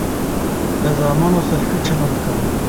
له زامنو سره ښه چلند کوم.